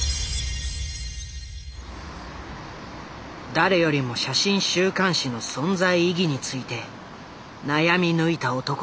誰よりも写真週刊誌の存在意義について悩み抜いた男がいる。